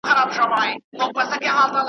د مور لاس به ښکل کړي